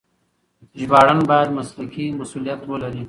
ژباړن بايد مسلکي مسؤليت ولري.